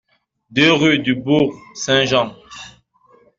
deux rue du Bourg Saint-Jean